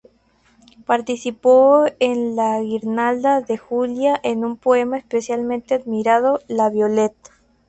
Participó en la "Guirnalda de Julia" con un poema especialmente admirado: "La Violette".